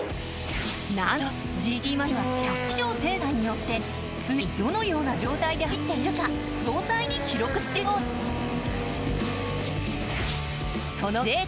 なんとＧＴマシンは１００個以上のセンサーによって常にどのような状態で走っているか詳細に記録しているそうです